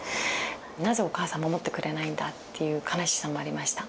なぜお母さん守ってくれないんだっていう悲しさもありました。